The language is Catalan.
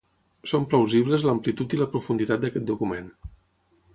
Són plausibles l'amplitud i la profunditat d'aquest document.